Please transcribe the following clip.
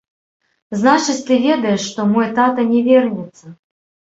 Значыць, ты ведаеш, што мой тата не вернецца.